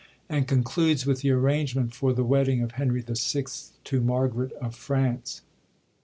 and concludes with the arrangement for the wedding of Henry VI. to Margaret of France.